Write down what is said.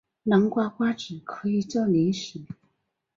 南瓜瓜子可以做零食。